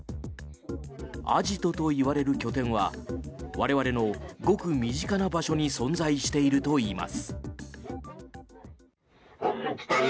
アジトといわれる拠点は我々のごく身近な場所に存在しているといいます。